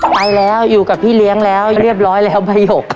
ไปแล้วอยู่กับพี่เลี้ยงแล้วเรียบร้อยแล้วป้าหยก